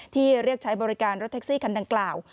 ที่เรียกใช้บริการรถแท็กซี่คันดังกล่าว